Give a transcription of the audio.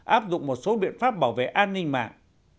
áp dụng một số biện pháp bảo vệ an ninh mạng